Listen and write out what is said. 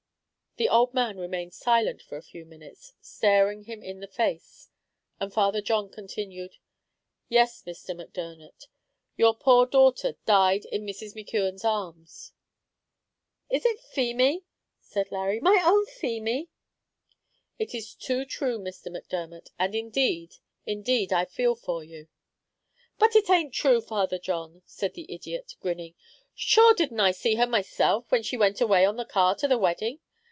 The old man remained silent for a few minutes staring him in the face, and Father John continued "Yes, Mr. Macdermot, your poor daughter died in Mrs. McKeon's arms." "Is it Feemy?" said Larry. "My own Feemy?" "It is too true, Mr. Macdermot; and indeed, indeed, I feel for you." "But it aint true, Father John," said the idiot, grinning. "Shure didn't I see her myself, when she went away on the car to the wedding?"